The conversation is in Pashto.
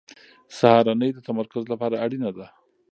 سهارنۍ د تمرکز لپاره اړینه ده.